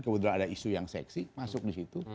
kemudian ada isu yang seksi masuk disitu